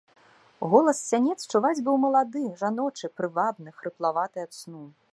Голас з сянец чуваць быў малады, жаночы, прывабны, хрыплаваты ад сну.